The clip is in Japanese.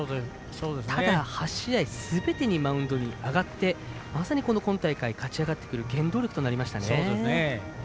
ただ、８試合すべてにマウンドに上がってまさに今大会勝ち上がっていく原動力になりましたね。